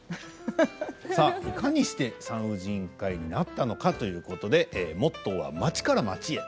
さあいかにして産婦人科医になったのかということでモットーは「待ちから街へ！」。